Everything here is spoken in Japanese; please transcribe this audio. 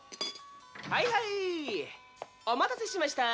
はいはいお待たせしました。